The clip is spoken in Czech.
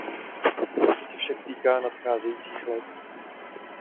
To se však týká nadcházejících let.